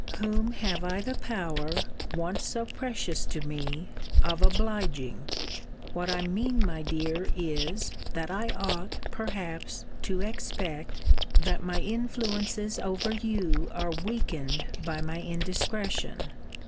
Whom have I the power, once so precious to me, of obliging? What I mean, my dear, is, that I ought, perhaps, to expect, that my influences over you are weakened by my indiscretion.